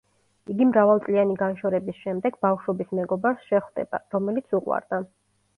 იგი მრავალწლიანი განშორების შემდეგ ბავშვობის მეგობარს შეხვდება, რომელიც უყვარდა.